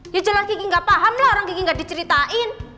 ya jelas gigi nggak paham lah orang gigi nggak diceritain